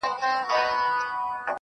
هوسۍ سترګې، ګل روخسار دی، هغه کس